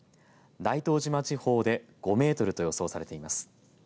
大東島地方で５メートルと予想されています。